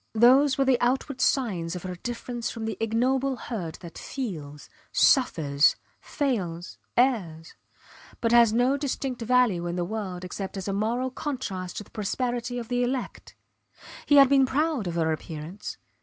Those were the outward signs of her difference from the ignoble herd that feels, suffers, fails, errs but has no distinct value in the world except as a moral contrast to the prosperity of the elect. He had been proud of her appearance.